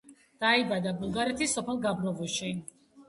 დაიბადა ბულგარეთის სოფელ გაბროვოში.